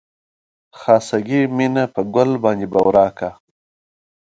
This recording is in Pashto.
خاصګي مينه په ګل باندې بورا کا